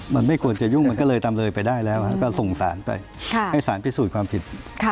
มันไม่ควรจะยุ่งมันก็เลยจำเลยไปได้แล้วก็ส่งสารไปให้สารพิสูจน์ความผิด